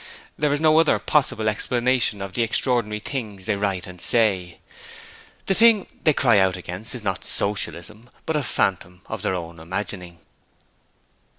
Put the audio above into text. There is no other possible explanation of the extraordinary things they write and say. The thing they cry out against is not Socialism but a phantom of their own imagining.